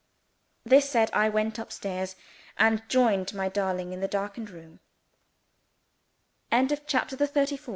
_" This said, I went up stairs, and joined my darling in the darkened room. CHAPTER THE THIRTY FIFT